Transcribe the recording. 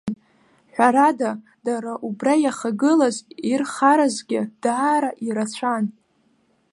Ҳәарада, дара убра иахагылаз ирхаразгьы даара ирацәан.